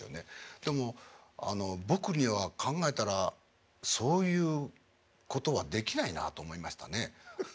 でも僕には考えたらそういうことはできないなあと思いましたね。